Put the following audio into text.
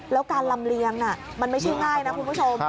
แล้วการลำเลียงมันไม่ใช่ง่ายนะคุณผู้ชม